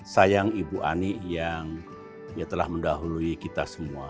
sayang ibu ani yang telah mendahului kita semua